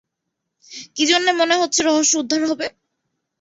কি জন্যে মনে হচ্ছে রহস্য উদ্ধার হবে?